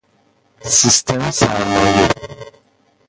سیستم سرمایه